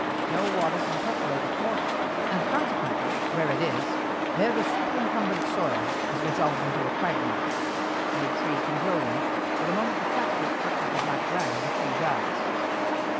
No water can percolate athwart it, and consequently where it is, there the superincumbent soil is resolved into a quagmire. No tree can grow in it, for the moment the taproot touches the Black Ram the tree dies.